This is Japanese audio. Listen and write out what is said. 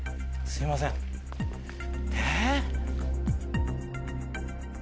すいませんえ？